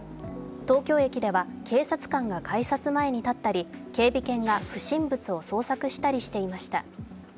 東京駅では警察官が改札前に立ったり警備犬が不審物を捜索したりしていました。